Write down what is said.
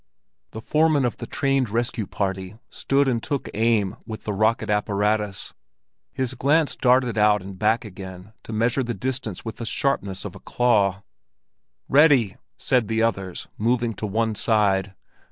The foreman of the trained Rescue Party stood and took aim with the rocket apparatus; his glance darted out and back again to measure the distance with the sharpness of a claw. "Ready!" said the others, moving to one side.